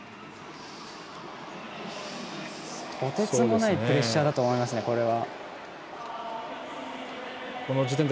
とてつもないプレッシャーだと思いますね、これは。